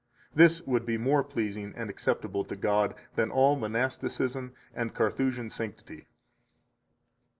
This would be more pleasing and acceptable to God than all monasticism and Carthusian sanctity.